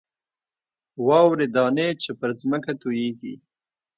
واورې دانې چې پر ځمکه تویېږي.